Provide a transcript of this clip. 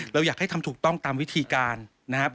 เราอยากให้ทำถูกต้องตามวิธีการนะครับ